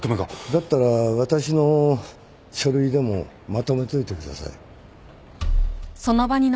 だったら私の書類でもまとめておいてください。